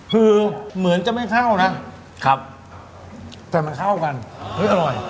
คือเหมือนจะไม่เข้านะครับแต่มันเข้ากันเฮ้ยอร่อย